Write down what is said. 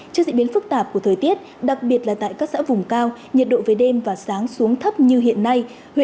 trước diễn biến phức tạp của thời tiết đặc biệt là tại các xã vùng cao nhiệt độ về đêm và sáng xuống thấp như hiện nay